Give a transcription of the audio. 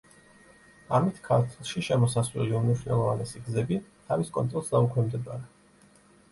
ამით ქართლში შემოსასვლელი უმნიშვნელოვანესი გზები თავის კონტროლს დაუქვემდებარა.